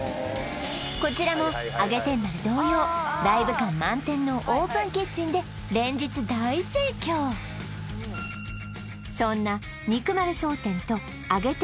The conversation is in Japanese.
こちらも揚げ天まる同様ライブ感満点のオープンキッチンで連日大盛況そんな肉丸商店と揚げ天